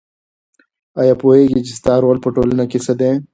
آیا پوهېږې چې ستا رول په ټولنه کې څه دی؟